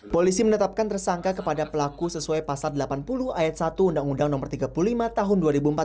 polisi menetapkan tersangka kepada pelaku sesuai pasal delapan puluh ayat satu undang undang no tiga puluh lima tahun dua ribu empat belas